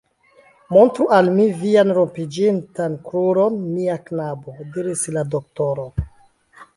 Montru al mi vian rompiĝintan kruron, mia knabo, diris la doktoro.